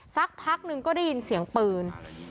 สักพักหนึ่งก็ได้ยินเสียงปืน